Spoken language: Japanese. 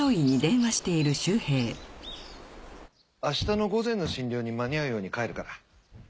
明日の午前の診療に間に合うように帰るから。